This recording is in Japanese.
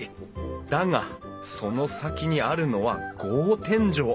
だがその先にあるのは格天井！